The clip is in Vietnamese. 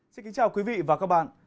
xin kính chào quý vị và các bạn